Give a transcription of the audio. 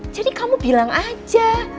jadi kamu bilang aja